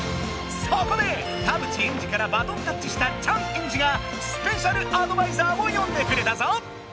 そこで田渕エンジからバトンタッチしたチャンエンジがスペシャルアドバイザーをよんでくれたぞ！